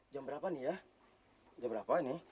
jam berapa nih ya jam berapa ini